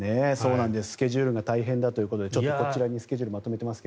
スケジュールが大変だということでこちらにスケジュールをまとめていますが。